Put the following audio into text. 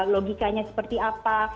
logikanya seperti apa